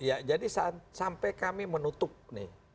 ya jadi sampai kami menutup nih